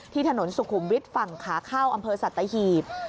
ที่ถนนสุขุมวิทธิ์ฝั่งขาข้าวอำเภอสัตว์ตะหีบ